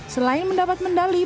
selain mendapat mendalaman